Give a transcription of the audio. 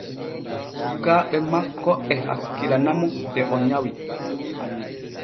Sukaaɓe makko e hakkilana mo de o nyawi.